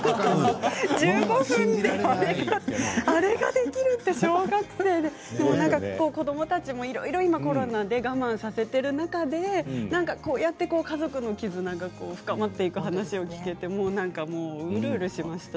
１５分であれができるって小学生で子どもたちも、今いろいろコロナで我慢させている中でこうやって家族の絆が深まっている話を聞けてなんかもう、うるうるしました。